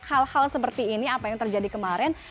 hal hal seperti ini apa yang terjadi kemarin